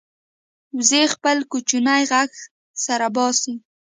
وزې خپل کوچنی غږ سره باسي